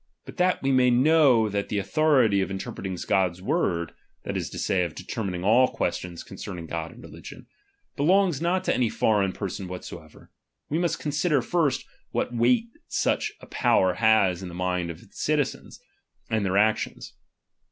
But that we may know that the authority of ^M interpreting Gods Word, that is to say, of deter ^| mining all questions concerning God and religion, ^| belongs not to any foreign person whatsoever ; we ^| must consider, first, what weight such a power ^M has in the minds of the citizens, and their actions.